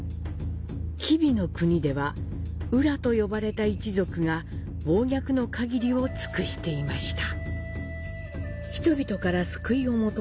吉備国では、温羅と呼ばれた一族が暴虐の限りを尽くしていました。